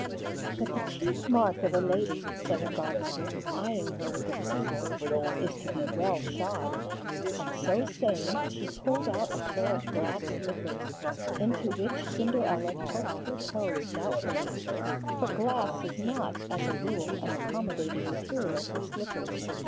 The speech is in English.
'But the chief mark of a lady,' said her godmother, eyeing her with approval, 'is to be well shod,' and so saying she pulled out a pair of glass slippers, into which Cinderella poked her toes doubtfully, for glass is not as a rule an accommodating material for slippers.